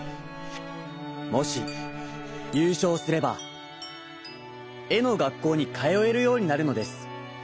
もしゆうしょうすればえのがっこうにかよえるようになるのです。